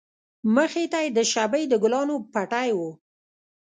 مخې ته يې د شبۍ د گلانو پټى و.